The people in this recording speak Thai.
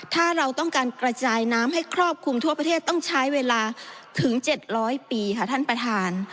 ถ้าเราต้องการกระจายน้ำให้ครอบคลุมทั่วประเทศต้องใช้เวลาถึง๗๐๐ปีค่ะท่านประธาน